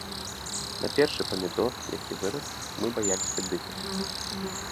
На першы памідор, які вырас, мы баяліся дыхаць.